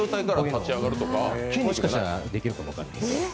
もしかしたらできるかも分からないです。